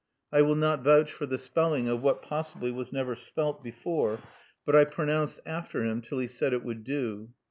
I will not vouch for the spelling of what possibly was never spelt before, but I pronounced after him till he said it would do.